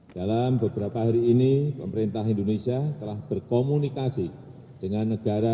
dalam beberapa hari ini pemerintah indonesia telah berkomunikasi dengan negara